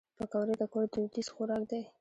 پکورې د کور دودیز خوراک دی